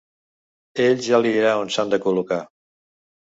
Ell ja li dirà on s’han de col·locar.